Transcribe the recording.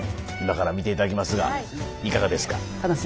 今から見て頂きますがいかがですか？